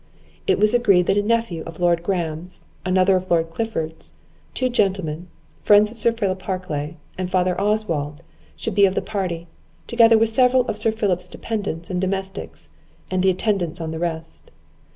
It was agreed that a nephew of Lord Graham's, another of Lord Clifford's, two gentlemen, friends of Sir Philip Harclay, and father Oswald, should be of the party; together with several of Sir Philip's dependants and domestics, and the attendants on the rest.